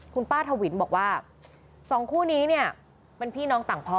คุณป้าทวินบอกว่าสองคู่นี้เนี่ยเป็นพี่น้องต่างพ่อ